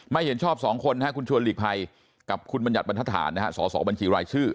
มาเห็นชอบ๒คนคุณชวนลิกภัยกับคุณบรรยัตน์บรรทธานสสบัญชีรายชื่อ